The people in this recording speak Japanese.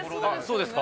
そうですね。